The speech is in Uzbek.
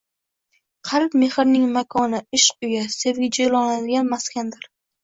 Qalb mehrning makoni, ishq uyi, sevgi jilolanadigan maskandir